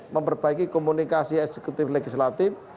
memperbaiki komunikasi eksekutif legislatif